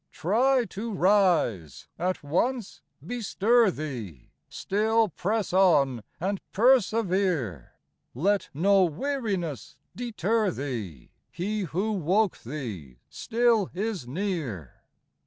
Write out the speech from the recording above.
Try to rise ; at once bestir thee, Still press on and persevere, Let no weariness deter thee : He who woke thee still is near.